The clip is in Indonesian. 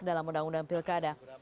dalam undang undang pilkada